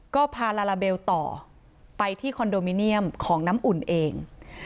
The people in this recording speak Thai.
ก็พาลาลาเบลต่อไปที่คอนโดมิเนียมของน้ำอุ่นเอง